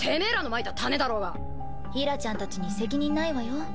平ちゃんたちに責任ないわよ。